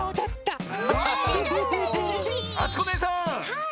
はい。